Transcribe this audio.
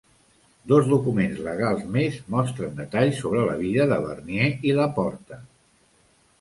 Dos documents legals més mostren detalls sobre la vida de Vernier i La Porte.